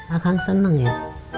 akang seneng ya